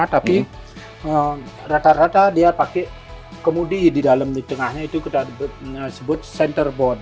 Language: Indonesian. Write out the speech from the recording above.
tapi rata rata dia pakai kemudi di dalam di tengahnya itu kita sebut center bot